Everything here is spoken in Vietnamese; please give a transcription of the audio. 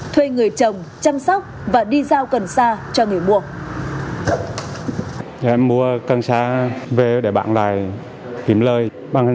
thuê người chồng chăm sóc và đi giao cần sa cho người mua